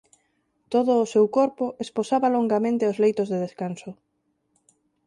Todo o seu corpo esposaba longamente os leitos de descanso.